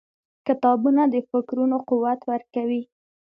• کتابونه د فکرونو قوت ورکوي.